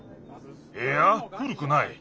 いやふるくない。